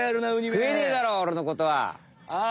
くえねえだろおれのことは。